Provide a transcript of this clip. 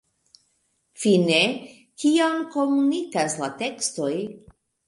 Fine, kion komunikas la tekstoj?